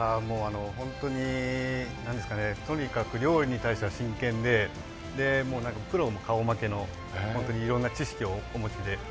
本当にとにかく料理に対しては真剣でプロも顔負けの知識をお持ちで。